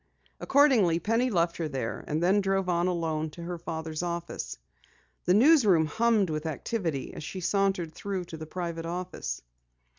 Accordingly, Penny left her there, and then drove on alone to her father's office. The news room hummed with activity as she sauntered through to the private office.